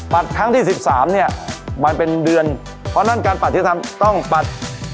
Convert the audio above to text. ครั้งที่๑๓เนี่ยมันเป็นเดือนเพราะฉะนั้นการปัดที่ธรรมต้องปัด